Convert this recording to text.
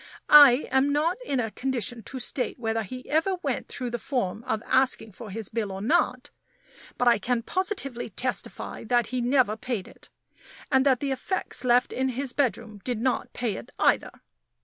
I am not in a condition to state whether he ever went through the form of asking for his bill or not; but I can positively testify that he never paid it, and that the effects left in his bedroom did not pay it either.